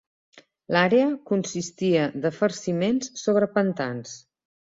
L'àrea consistia de farciments sobre pantans.